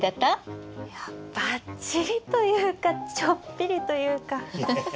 いやばっちりというかちょっぴりというか。